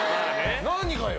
何がよ。